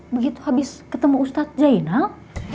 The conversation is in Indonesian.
begitu habis ketemu ustadz zainal